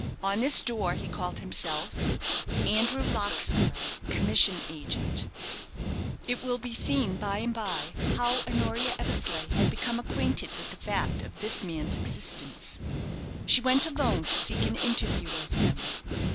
On this door he called himself, "Andrew Larkspur, Commission Agent." It will be seen by and by how Honoria Eversleigh had become acquainted with the fact of this man's existence. She went alone to seek an interview with him.